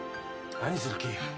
何する気？